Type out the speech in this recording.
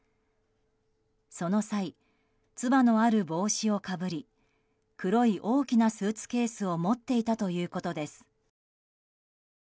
その際、つばのある帽子をかぶり黒い大きなスーツケースを持っていたということです。